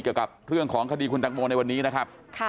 เกี่ยวกับเรื่องของคดีคุณตังโมในวันนี้นะครับ